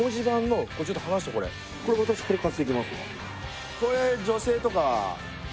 私これ買っていきます。